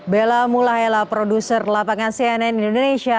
bella mulahela produser lapangan cnn indonesia